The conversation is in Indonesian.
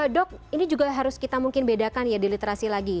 dok ini juga harus kita mungkin bedakan ya di literasi lagi